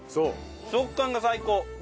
食感が最高！